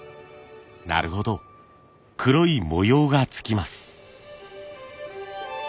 なるほど黒い模様がつきます。